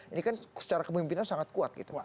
ini kan secara kepemimpinan sangat kuat gitu